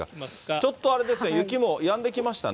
ちょっとあれですか、雪もやんできましたね。